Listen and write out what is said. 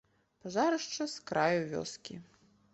Пажарышча з краю вёскі.